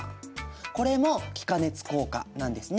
これも気化熱効果なんですね。